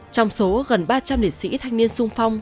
trong số gần ba trăm linh lịch sử thanh niên sung phong